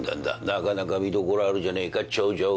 なかなか見どころあるじゃねえか長女。